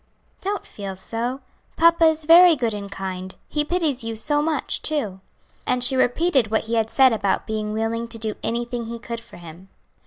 "Don't feel so; papa is very good and kind. He pities you so much, too," and she repeated what he had said about being willing to do anything he could for him.